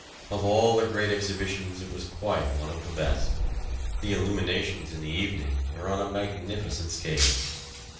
Of all the great exhibitions it was quite one of the best. The illuminations in the evening were on a magnificent scale.